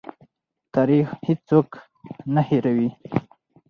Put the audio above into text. تاریخ هېڅوک نه هېروي.